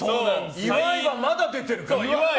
岩井はまだ出てるから。